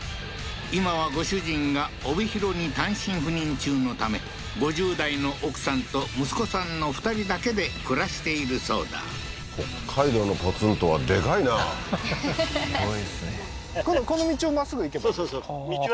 今はご主人が帯広に単身赴任中のため５０代の奥さんと息子さんの２人だけで暮らしているそうだ北海道のポツンとはでかいなははは